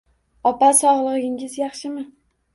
Opa, sog`ligingiz yaxshimi